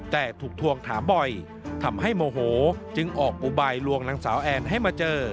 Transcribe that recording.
แต่ถูกทวงถามบ่อยทำให้โมโหจึงออกอุบายลวงนางสาวแอนให้มาเจอ